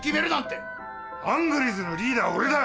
ハングリーズのリーダーは俺だ！